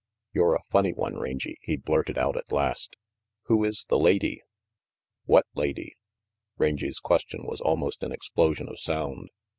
"You're a funny one, Rangy," he blurted out at last. "Who is the lady?" , "What lady?" Rangy 's question was almost an explosion of sound.